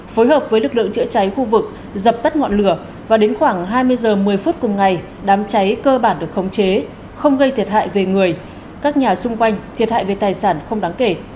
phối hợp với lực lượng chữa cháy khu vực dập tắt ngọn lửa và đến khoảng hai mươi h một mươi phút cùng ngày đám cháy cơ bản được khống chế không gây thiệt hại về người các nhà xung quanh thiệt hại về tài sản không đáng kể